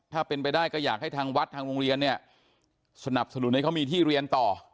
ถ้าเป็นไปได้ก็อยากให้ทางวัดทางโรงเรียนเนี่ยสนับสนุนให้เขามีที่เรียนต่อ